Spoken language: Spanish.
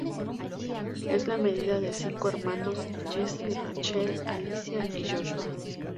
Es la mediana de cinco hermanos: Jesse, Rachel, Alicia y Joshua.